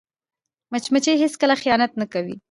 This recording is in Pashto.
مچمچۍ هیڅکله خیانت نه کوي